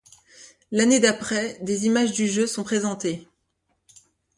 L'année d'après, des images du jeu sont présentées.